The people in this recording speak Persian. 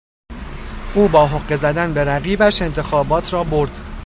او با حقه زدن به رقیبش انتخابات را برد.